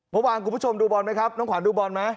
เมื่อวานคุณผู้ชมดูบอลมั้ยครับน้องขวานดูบอลมั้ย